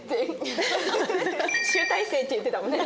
「集大成」って言ってたもんね。